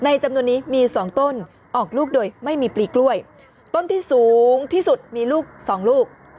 จำนวนนี้มี๒ต้นออกลูกโดยไม่มีปลีกล้วยต้นที่สูงที่สุดมีลูกสองลูก